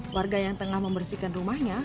warga yang tengah membersihkan rumahnya